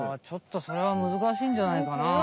ちょっとそれはむずかしいんじゃないかな。